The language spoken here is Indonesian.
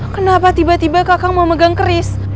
kenapa tiba tiba kakak mau megang keris